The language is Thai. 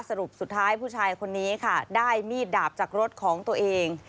สรุปสุดท้ายผู้ชายคนนี้ค่ะได้มีดดาบจากรถของตัวเอง